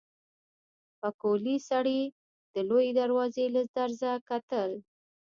پکولي سړي د لويې دروازې له درزه کتل.